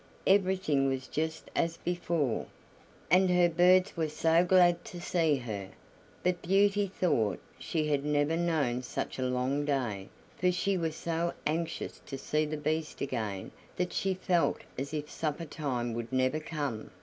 Everything was just as before, and her birds were so glad to see her! But Beauty thought she had never known such a long day, for she was so anxious to see the Beast again that she felt as if suppertime would never come.